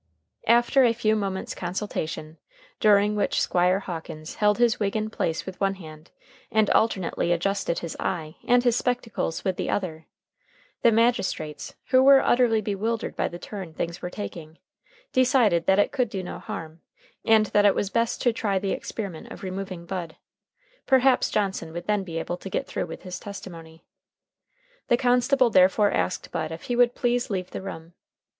After a few moments' consultation, during which Squire Hawkins held his wig in place with one hand and alternately adjusted his eye and his spectacles with the other, the magistrates, who were utterly bewildered by the turn things were taking, decided that It could do no harm, and that it was best to try the experiment of removing Bud. Perhaps Johnson would then be able to get through with his testimony. The constable therefore asked Bud if he would please leave the room.